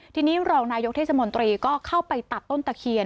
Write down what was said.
ทีนี้รองนายกเทศมนตรีก็เข้าไปตัดต้นตะเคียน